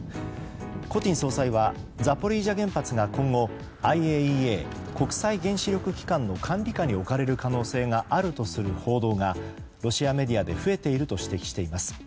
コティン総裁はザポリージャ原発が今後ＩＡＥＡ・国際原子力機関の管理下に置かれる可能性があるとする報道がロシアメディアで増えていると指摘しています。